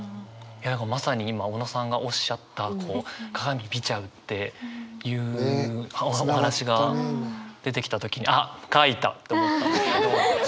まさに今小野さんがおっしゃった鏡見ちゃうっていうお話が出てきた時にと思ったんですけど。